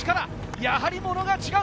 やはりモノが違う。